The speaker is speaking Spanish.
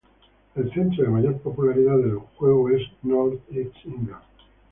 El centro de mayor popularidad del juego es North East England.